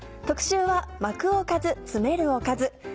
特集は「巻くおかず詰めるおかず」。